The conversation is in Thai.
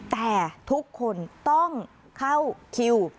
แต่ทุกคนต้องเข้าคิว